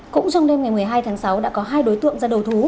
cũng trong đêm ngày một mươi hai tháng sáu đã có hai đối tượng ra đầu thú